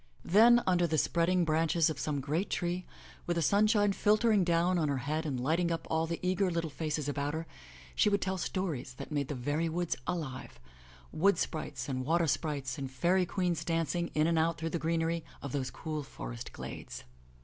Then, under the spreading branches of some great tree, with the sunshine filtering down on her head and lighting up all the eager little faces about her, she would tell stories that made the very woods alive — ^wood sprites and water sprites and fairy queens danc ing in and out through the greenery of those cool forest glades.